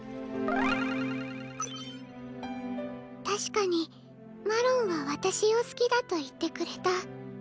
確かにマロンは私を好きだと言ってくれた。